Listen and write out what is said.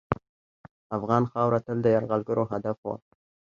افغان خاوره تل د یرغلګرو هدف وه.